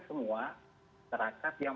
semua serakat yang